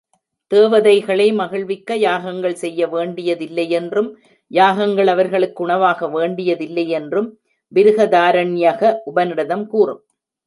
தேவதைகளை மகிழ்விக்க யாகங்கள் செய்ய வேண்டியதில்லையென்றும் யாகங்கள் அவர்களுக்கு உணவாகவேண்டியதில்லையென்றும் பிருகதாரண்யக உபநிடதம் கூறும்.